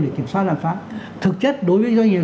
để kiểm soát hành pháp thực chất đối với doanh nghiệp